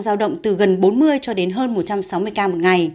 giao động từ gần bốn mươi cho đến hơn một trăm sáu mươi ca một ngày